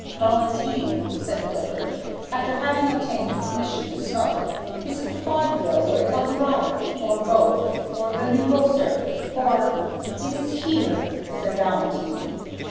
"Valentine," said Clifford, after having obtained permission to smoke, "is it the Vaudeville or the Eldorado or both, or the Nouveau Cirque, or " "It is here," said Valentine.